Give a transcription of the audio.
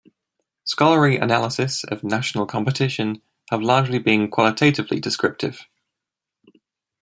Scholarly analyses of national competition have largely been qualitatively descriptive.